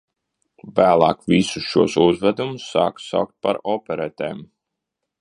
Vēlāk visus šos uzvedumus sāka saukt par operetēm.